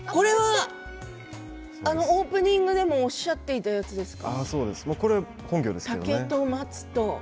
オープニングでもおっしゃっていたやつですか？